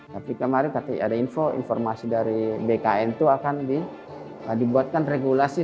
tapi kemarin ada info informasi dari bkn itu akan dibuatkan regulasi